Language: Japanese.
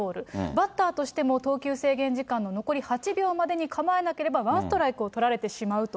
バッターとしても、投球制限時間の残り８秒までに構えなければワンストライクを取られてしまうと。